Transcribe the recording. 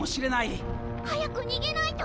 早く逃げないと！